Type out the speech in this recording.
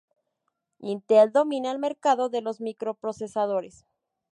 Intel domina el mercado de los microprocesadores.